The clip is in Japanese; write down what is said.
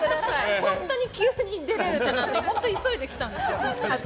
本当に急に出るってなって急いで来たんですよ。